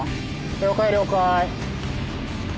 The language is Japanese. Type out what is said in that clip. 了解了解。